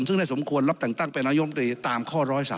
ซึ่งได้สมควรรับต่างเป็นน้องยมนิตามข้อ๑๓๖